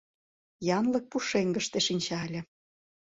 — Янлык пушеҥгыште шинча ыле.